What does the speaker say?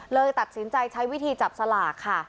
เลยตัดสินใจใช้วิธีจับสลากค่ะ